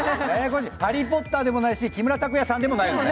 ハリー・ポッターでもないし木村拓哉さんでもないのね。